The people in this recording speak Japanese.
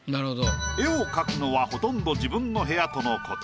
絵を描くのはほとんど自分の部屋との事。